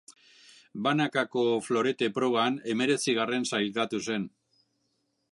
Banakako florete proban hemeretzigarren sailkatu zen.